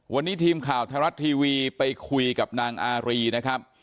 วันนี้ทีมข่าวไทยรัฐทีวีไปคุยกับนางอารีนะครับ